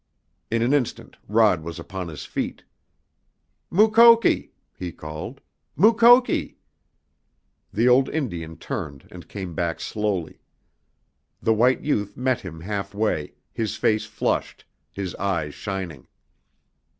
In an instant Rod was upon his feet. "Mukoki!" he called. "Mukoki!" The old Indian turned and came back slowly. The white youth met him half way, his face flushed, his eyes shining.